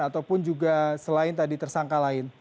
ataupun juga selain tadi tersangka lain